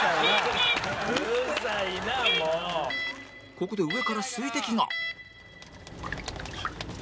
ここで上から水滴が